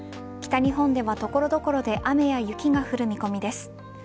北日本では所々で雨や雪が降る見込みです。